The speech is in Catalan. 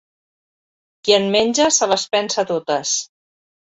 Qui en menja se les pensa totes.